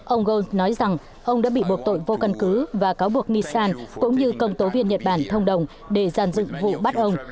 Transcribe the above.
ông ghosn nói rằng ông đã bị buộc tội vô căn cứ và cáo buộc nissan cũng như công tố viên nhật bản thông đồng để giàn dựng vụ bắt ông